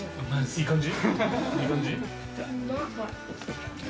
いい感じ？